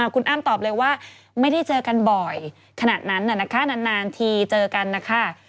คุณอ้ำตอบเลยว่าไม่ได้เจอกันบ่อยขนาดนั้นนานทีเจอกันนะคะ